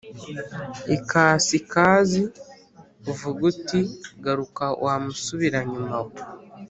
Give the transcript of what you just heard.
ikasikazi uvuge uti Garuka wa musubiranyuma we